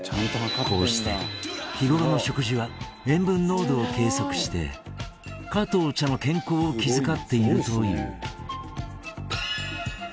こうして日頃の食事は塩分濃度を計測して加藤茶の健康を気遣っているという